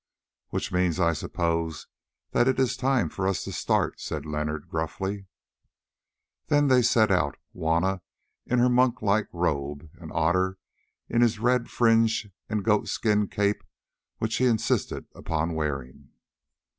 "Which means, I suppose, that it is time for us to start," said Leonard gruffly. Then they set out, Juanna in her monk like robe, and Otter in his red fringe and a goat skin cape which he insisted upon wearing.